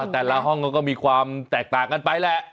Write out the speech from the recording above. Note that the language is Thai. แต่ละห้องก็มีความแตกต่างกันไปแหละ